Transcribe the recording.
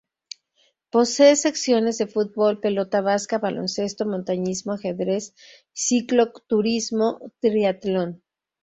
Posee secciones de fútbol, pelota vasca, baloncesto, montañismo, ajedrez, cicloturismo y triatlón.